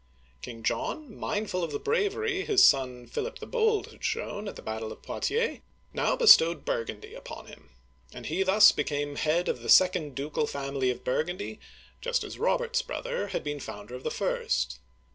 King John, mindful of the bravery his son Philip the^Bold had shown at the battle of Poitiers, now bestowed Burgundy upon him, and he thus became head of the second ducal family of Burgundy, just as Robert's brother (see page 104) had been founder of the first.